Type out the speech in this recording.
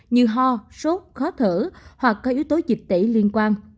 như ho sốt khó thở hoặc có yếu tố dịch tễ liên quan